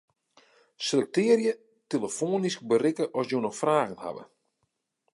Selektearje 'telefoanysk berikke as jo noch fragen hawwe'.